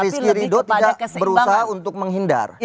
rizky ridho tidak berusaha untuk menghindar